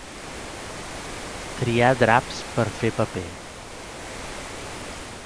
Triar draps per a fer paper.